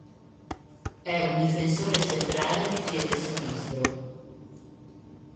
È un difensore centrale di piede sinistro.